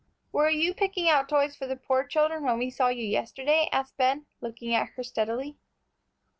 "Were you picking out toys for the poor children when we saw you yesterday?" asked Ben, looking at her steadily.